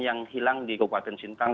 yang hilang di kabupaten sintang